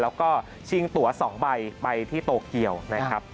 แล้วก็ชิงตัว๒ใบไปที่โตเกียวนะครับ